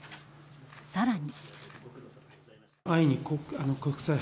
更に。